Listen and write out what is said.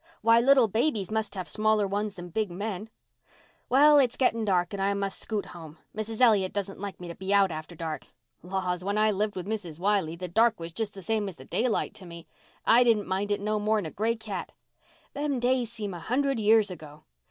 Why, little babies must have smaller ones than big men. Well, it's getting dark and I must scoot home. Mrs. Elliott doesn't like me to be out after dark. Laws, when I lived with Mrs. Wiley the dark was just the same as the daylight to me. I didn't mind it no more'n a gray cat. Them days seem a hundred years ago.